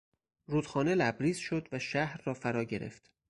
رودخانه لبریز شد و شهر را فرا گرفت.